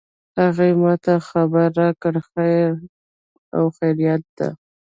هغې ما ته خبر راکړ چې خیر او خیریت ده